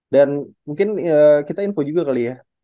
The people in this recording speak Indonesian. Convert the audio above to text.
dan mungkin kita info juga kali ya